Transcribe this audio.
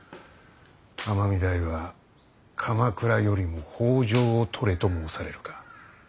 尼御台は鎌倉よりも北条を取れと申されるか。